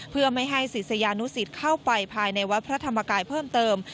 เพื่อไม่ให้ศิษยานุสิตเข้าไปภายในวัดพระธรรมกายเพิ่มเติม